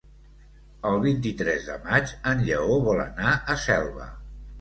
El vint-i-tres de maig en Lleó vol anar a Selva.